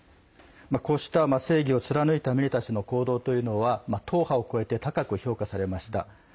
こうした正義を貫いたミネタ氏の行動というのは党派を超えて高く評価されました。